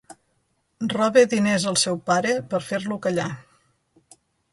Roba diners al seu pare per fer-lo callar.